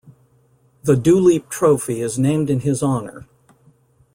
The Duleep Trophy is named in his honour.